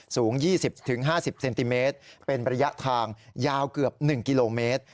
สูง๒๐๕๐เซนติเมตรเป็นระยะทางยาวเกือบ๑กิโลเมตร